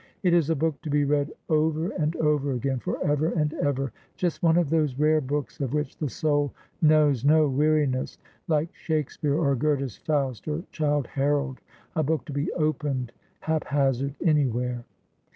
It is a book to be read over and over again, for ever and ever, just one of those rare books of which the soul knows no weari ness — like Shakespeare, or Goethe's Faust, or Childe Harold — a book to be opened, haphazard, anywhere.